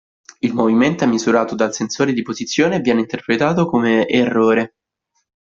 Il movimento è misurato dal sensore di posizione e viene interpretato come errore.